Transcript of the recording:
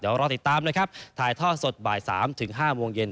เดี๋ยวรอติดตามนะครับถ่ายทอดสดบ่าย๓ถึง๕โมงเย็น